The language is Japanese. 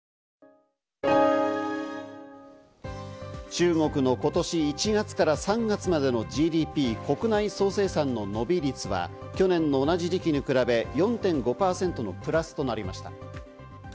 中国の今年１月から３月までのＧＤＰ＝国内総生産の伸び率は、去年の同じ時期に比べ４．５％のプラスとなりました。